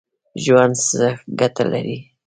ژوند څه ګټه لري ؟